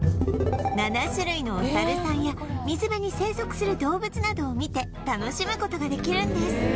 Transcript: ７種類のお猿さんや水辺に生息する動物などを見て楽しむ事ができるんです